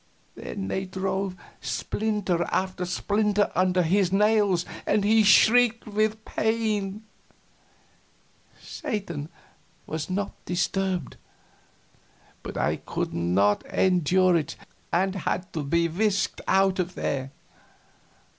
Then they drove splinter after splinter under his nails, and he shrieked with the pain. Satan was not disturbed, but I could not endure it, and had to be whisked out of there.